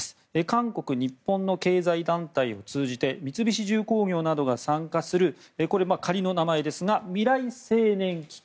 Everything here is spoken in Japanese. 韓国、日本の経済団体を通じて三菱重工業などが参加するこれ、仮の名前ですが未来青年基金